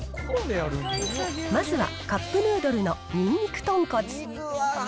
まずはカップヌードルのにんにく豚骨。